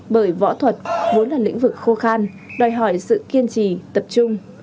bởi võ thuật vốn là lĩnh vực khô khan đòi hỏi sự kiên trì tập trung